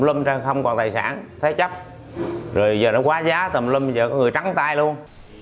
lum ra không còn tài sản thế chấp rồi bây giờ nó quá giá tụm lum giờ có người trắng tay luôn